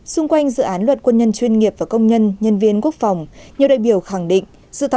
xung quanh dự án luật quân nhân chuyên nghiệp và công nhân nhân viên quốc phòng nhiều đại biểu khẳng định